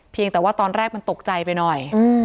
แต่ว่าตอนแรกมันตกใจไปหน่อย